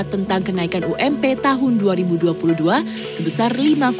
tentang kenaikan ump tahun dua ribu dua puluh dua sebesar